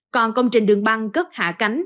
còn công trình đường băng cất hạ cánh